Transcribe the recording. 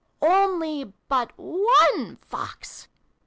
" Only but one Fox